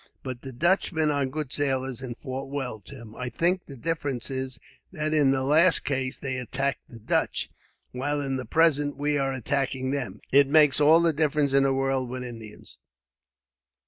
"But the Dutchmen are good sailors, and fought well, Tim. I think the difference is that in the last case they attacked the Dutch, while in the present we are attacking them. It makes all the difference in the world, with Indians.